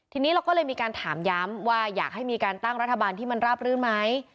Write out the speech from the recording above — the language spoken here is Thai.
ทีนี้เราก็เลยมีการถามย้ำว่าอยากให้มีการตั้งรัฐบาลที่มันราบรื่นไหม